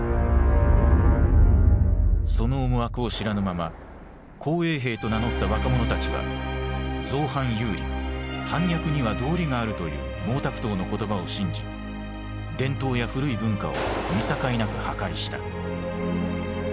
その思惑を知らぬまま紅衛兵と名乗った若者たちは「造反有理」反逆には道理があるという毛沢東の言葉を信じ伝統や古い文化を見境なく破壊した。